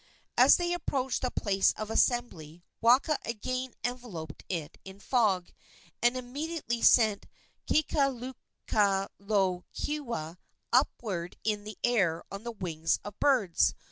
As they approached the place of assembly Waka again enveloped it in fog, and immediately sent Kekalukaluokewa upward in the air on the wings of birds.